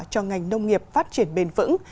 cho ngành nông nghiệp phát triển bền vững